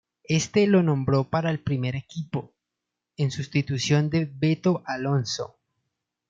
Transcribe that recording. Éste lo nombró para el primer equipo, en sustitución de "Beto" Alonso.